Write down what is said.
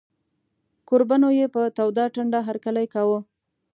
کوربنو یې په توده ټنډه هرکلی کاوه.